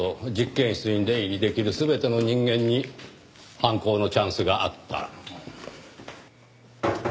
験室に出入りできる全ての人間に犯行のチャンスがあった。